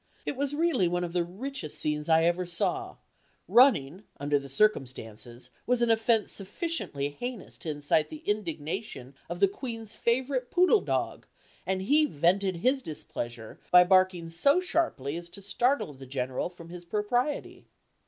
It was really one of the richest scenes I ever saw; running, under the circumstances, was an offence sufficiently heinous to excite the indignation of the Queen's favorite poodle dog, and he vented his displeasure by barking so sharply as to startle the General from his propriety.